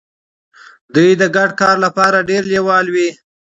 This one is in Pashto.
دوی د ګډ کار لپاره ډیر لیواله وي.